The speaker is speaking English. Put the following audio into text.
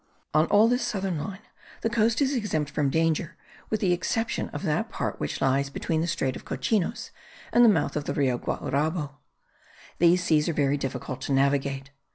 On all this southern line the coast is exempt from danger with the exception of that part which lies between the strait of Cochinos and the mouth of the Rio Guaurabo. These seas are very difficult to navigate.